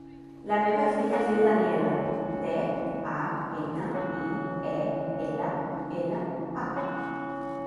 La meva filla es diu Daniella: de, a, ena, i, e, ela, ela, a.